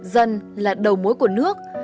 dần là đầu mối của nước